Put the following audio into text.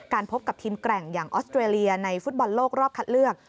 พบกับทีมแกร่งอย่างออสเตรเลียในฟุตบอลโลกรอบคัดเลือก